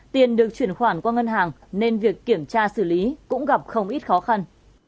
tiền được chuyển khoản qua ngân hàng nên việc kiểm tra xử lý cũng gặp không ít khó khăn